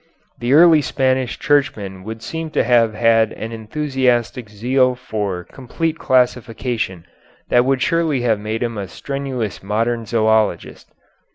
The early Spanish Churchman would seem to have had an enthusiastic zeal for complete classification that would surely have made him a strenuous modern zoölogist.